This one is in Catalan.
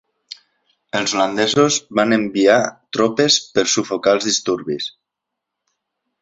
Els holandesos van enviar tropes per sufocar els disturbis.